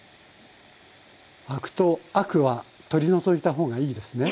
アクと悪は取り除いた方がいいですね？